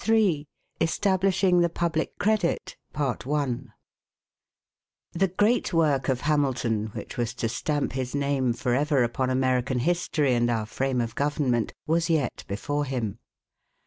III ESTABLISHING THE PUBLIC CREDIT The great work of Hamilton, which was to stamp his name forever upon American history and our frame of government, was yet before him.